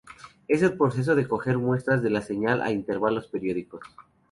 Es el proceso de coger muestras de la señal a intervalos periódicos.